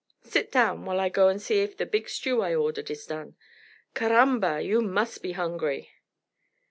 Sit down while I go and see if the big stew I ordered is done. Caramba! but you must be hungry."